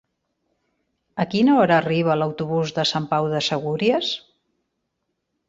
A quina hora arriba l'autobús de Sant Pau de Segúries?